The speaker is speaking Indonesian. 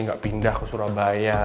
gak pindah ke surabaya